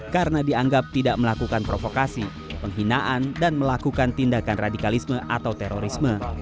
karena dianggap tidak melakukan provokasi penghinaan dan melakukan tindakan radikalisme atau terorisme